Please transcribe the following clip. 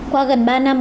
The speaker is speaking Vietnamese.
qua gần ba năm